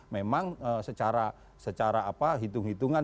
memang secara hitung hitungan